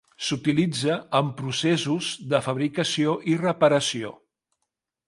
S'utilitza en processos de fabricació i reparació.